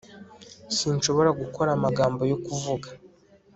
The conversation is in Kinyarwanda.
sinshobora gukora amagambo yo kuvuga